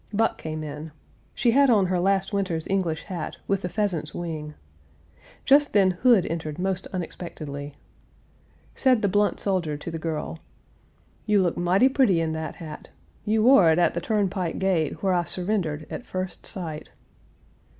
Buck came in. She had on her last winter's English hat, with the pheasant's wing. Just then Hood entered most unexpectedly. Said the blunt soldier to the girl: "You look mighty pretty in that hat; you wore it at the turnpike gate, where I surrendered at first sight."